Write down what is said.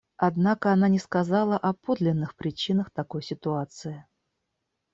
Однако она не сказала о подлинных причинах такой ситуации.